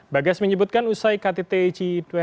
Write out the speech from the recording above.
bagas menyebutkan usai kttc dua puluh